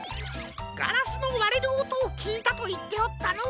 ガラスのわれるおとをきいたといっておったのう。